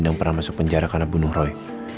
yang pernah masuk penjara karena bunuh roy